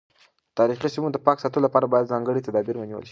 د تاریخي سیمو د پاک ساتلو لپاره باید ځانګړي تدابیر ونیول شي.